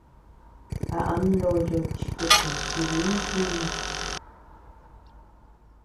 A am ndoyo chi a kutea jidi ntiñu.